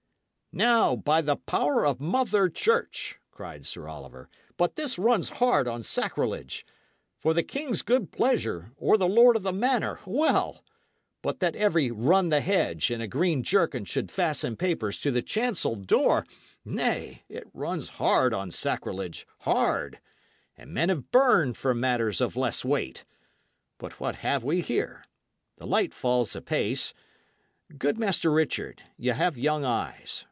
"Now, by the power of Mother Church," cried Sir Oliver, "but this runs hard on sacrilege! For the king's good pleasure, or the lord of the manor well! But that every run the hedge in a green jerkin should fasten papers to the chancel door nay, it runs hard on sacrilege, hard; and men have burned for matters of less weight. But what have we here? The light falls apace. Good Master Richard, y' have young eyes.